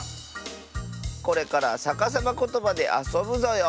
これからさかさまことばであそぶぞよ。